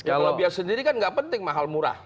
kalau biaya sendiri kan nggak penting mahal murah